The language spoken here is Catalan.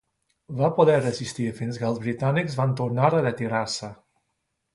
Va poder resistir fins que els britànics van tornar a retirar-se.